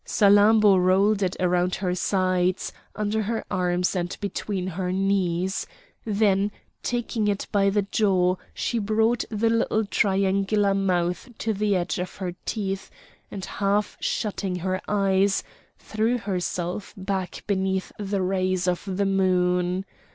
Salammbô rolled it around her sides, under her arms and between her knees; then taking it by the jaw she brought the little triangular mouth to the edge of her teeth, and half shutting her eyes, threw herself back beneath the rays of the moon.